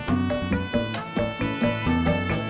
udah mau maghrib